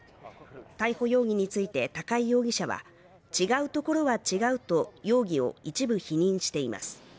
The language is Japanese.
逮捕容疑について高井容疑者は違うところは違うと容疑を一部否認しています。